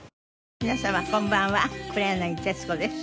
皆様こんばんは黒柳徹子です。